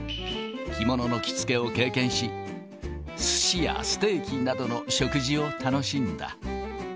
着物の着付けを経験し、すしやステーキなどの食事を楽しんだ。